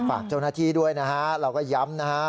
ฝากเจ้าหน้าที่ด้วยนะฮะเราก็ย้ำนะฮะ